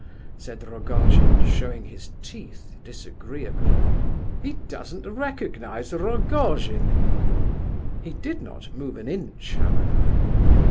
said Rogojin, showing his teeth disagreeably. "He doesn't recognize Rogojin!" He did not move an inch, however.